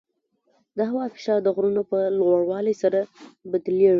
د هوا فشار د غرونو په لوړوالي سره بدلېږي.